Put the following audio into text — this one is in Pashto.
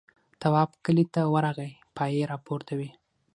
تواب کلي ته ورغی پایې راپورته وې.